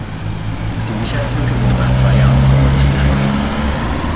Die Sicherheitslücke wurde nach zwei Jahren noch immer nicht geschlossen.